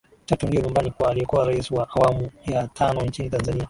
Chato ndio nyumbani kwa aliyekuwa Rais wa awamu ya tano nchini Tanzania